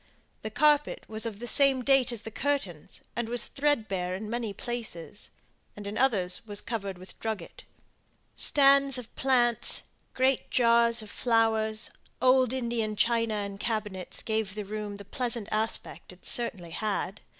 The carpet was of the same date as the curtains, and was thread bare in many places; and in others was covered with drugget. Stands of plants, great jars of flowers, old Indian china and cabinets gave the room the pleasant aspect it certainly had.